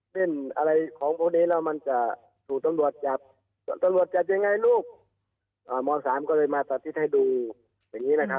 ใครเป็นตัวละครอะไรบ้างคะท่านผอ